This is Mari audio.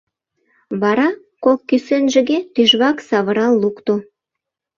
Вара кок кӱсенжыге тӱжвак савырал лукто.